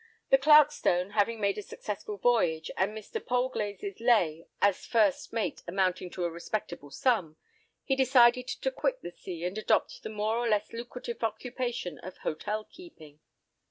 The Clarkstone having made a successful voyage, and Mr. Polglase's "lay" as first mate amounting to a respectable sum, he decided to quit the sea, and adopt the more or less lucrative occupation of hotel keeping.